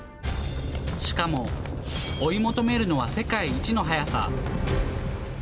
しかも追い求めるのは世界一の速さ。